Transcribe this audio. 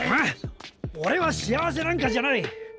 オレは幸せなんかじゃない！